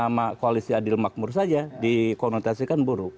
nama koalisi adil makmur saja dikonotasikan buruk